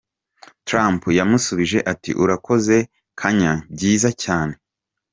Trump yamusubije ati “Urakoze Kanye, byiza cyane.